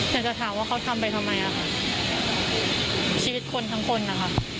อยากจะถามว่าเขาทำไปทำไมชีวิตคนทั้งคนค่ะ